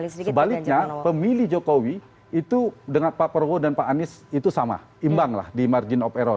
sebaliknya pemilih jokowi itu dengan pak prabowo dan pak anies itu sama imbang lah di margin of error